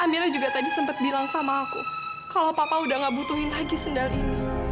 amira juga tadi sempat bilang sama aku kalau papa udah gak butuhin lagi sendal ini